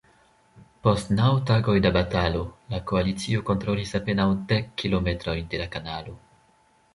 Post naŭ tagoj da batalo, la koalicio kontrolis apenaŭ dek kilometrojn de la kanalo.